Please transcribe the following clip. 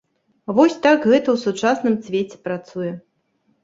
Вось так гэта ў сучасным свеце працуе.